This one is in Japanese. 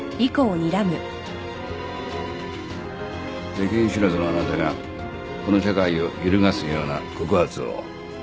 世間知らずのあなたがこの社会を揺るがすような告発を？